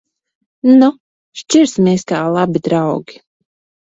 Nu! Šķirsimies kā labi draugi.